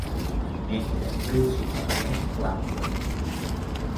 Menja principalment plàncton.